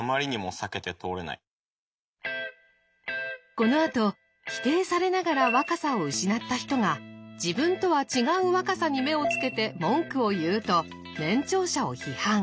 このあと否定されながら若さを失った人が自分とは違う若さに目をつけて文句を言うと年長者を批判。